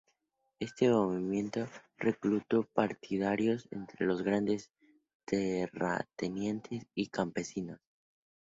Este movimiento reclutó partidarios entre los grandes terratenientes y campesinos.